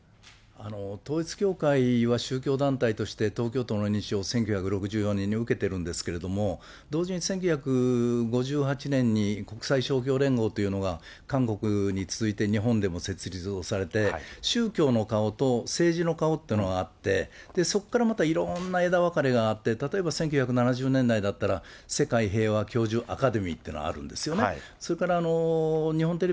統一教会は宗教団体として、東京都の認証を１９６５年に受けてるんですけれども、同時に１９５８年に国際勝共連合というのがあって、韓国に続いて、日本でも設立をされて、宗教の顔と政治の顔っていうのがあって、そこからまたいろんな枝分かれがあって、例えば１９７０年代だったら、世界平和教授アカデミーっていうのがあるんですよね。